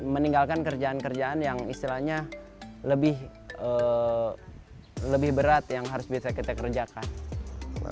meninggalkan kerjaan kerjaan yang istilahnya lebih berat yang harus bisa kita kerjakan